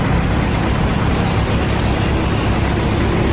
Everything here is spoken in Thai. โอ้โหไปไม่ได้แล้วชนแรงเลยเหรอเกือบซุดเลย